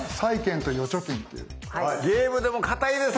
ゲームでもかたいですね。